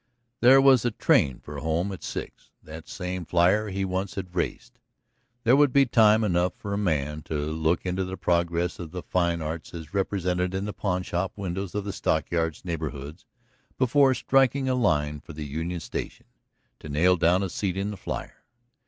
There was a train for home at six, that same flier he once had raced. There would be time enough for a man to look into the progress of the fine arts as represented in the pawn shop windows of the stockyards neighborhood, before striking a line for the Union Station to nail down a seat in the flier.